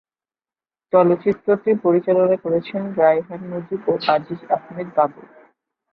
চলচ্চিত্রটি পরিচালনা করেছেন রায়হান মুজিব ও আজিজ আহমেদ বাবুল।